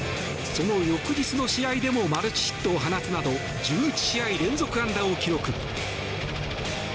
その翌日の試合でもマルチヒットを放つなど１１試合連続安打を記録。